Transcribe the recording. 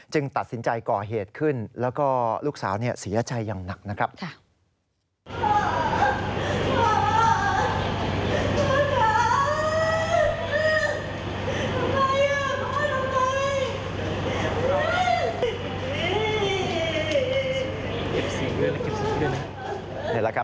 ตัดสินใจก่อเหตุขึ้นแล้วก็ลูกสาวเสียใจอย่างหนักนะครับ